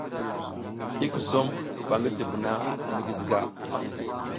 I kusom ba ngi dubuna mi giziga.